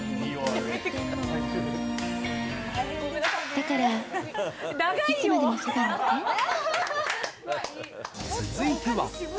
だから、続いては。